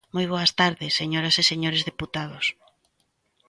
Moi boas tardes, señoras e señores deputados.